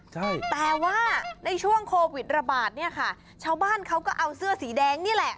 ใช่แต่ว่าในช่วงโควิดระบาดเนี่ยค่ะชาวบ้านเขาก็เอาเสื้อสีแดงนี่แหละ